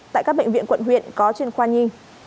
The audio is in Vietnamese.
tại các bệnh viện quận huyện có chuyên khoa nhi